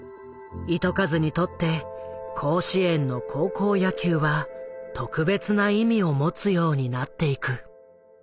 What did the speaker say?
糸数にとって甲子園の高校野球は特別な意味を持つようになっていく。